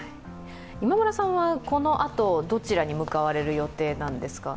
今村さんは、このあと、どちらに向かわれる予定なんですか？